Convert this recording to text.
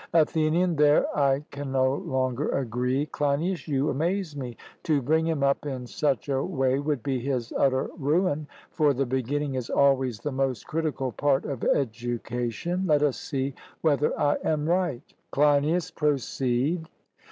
ATHENIAN: There I can no longer agree, Cleinias: you amaze me. To bring him up in such a way would be his utter ruin; for the beginning is always the most critical part of education. Let us see whether I am right. CLEINIAS: Proceed.